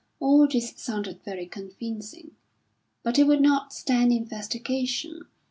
All this sounded very convincing; but it would not stand investigation.